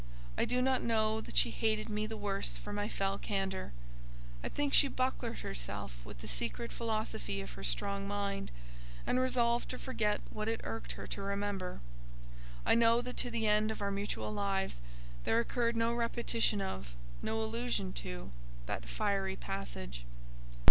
I do not know that she hated me the worse for my fell candour. I think she bucklered herself with the secret philosophy of her strong mind, and resolved to forget what it irked her to remember. I know that to the end of our mutual lives there occurred no repetition of, no allusion to, that fiery passage.